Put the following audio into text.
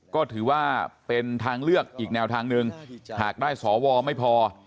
ก็ถือว่าเป็นทางเลือกอีกแนวทางหนึ่งหากได้สวไม่พอ